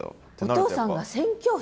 お父さんが宣教師。